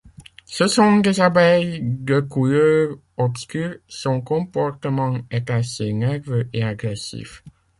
Ce sont des abeilles de couleur obscure, son comportement est assez nerveux et agressif.